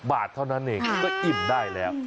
บาทเท่านั้นเองก็อิ่มได้แล้ว